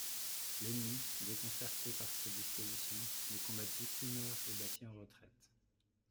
L'ennemi, déconcerté par ces dispositions, ne combattit qu'une heure et battit en retraite.